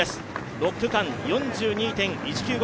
６区間、４２．１９５